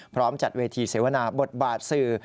จัดเวทีเสวนาบทบาทสื่อ